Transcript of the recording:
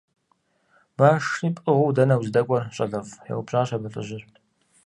– Башри пӀыгъыу дэнэ уздэкӀуэр, щӀалэфӀ? – еупщӀащ абы лӀыжьыр.